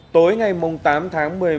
tối ngày tám tháng một mươi một